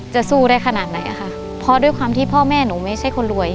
จะสู้ได้ขนาดไหนอะค่ะเพราะด้วยความที่พ่อแม่หนูไม่ใช่คนรวย